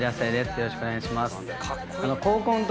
よろしくお願いします。